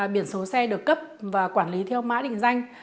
biển số xe được cấp và quản lý theo mã định danh